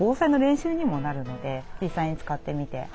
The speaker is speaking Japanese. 実際に使ってみて。